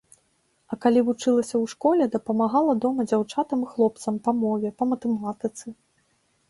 А калі вучылася ў школе, дапамагала дома дзяўчатам і хлопцам па мове, па матэматыцы.